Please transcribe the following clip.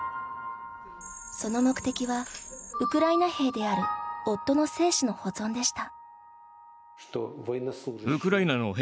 その目的はウクライナ兵である夫の精子の保存でした。